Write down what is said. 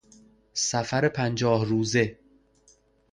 سفر پنجاه روزه